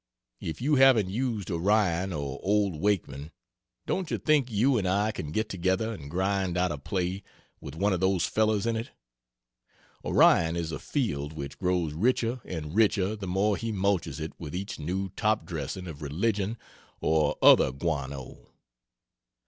If you haven't used Orion or Old Wakeman, don't you think you and I can get together and grind out a play with one of those fellows in it? Orion is a field which grows richer and richer the more he mulches it with each new top dressing of religion or other guano.